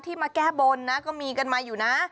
มาแก้บนนะก็มีกันมาอยู่นะ